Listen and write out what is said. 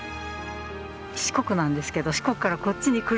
四国なんですけど四国からこっちに来るたんび